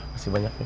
masih banyak nih